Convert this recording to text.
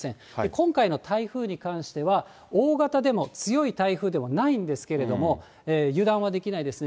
今回の台風に関しては、大型でも強い台風でもないんですけれども、油断はできないですね。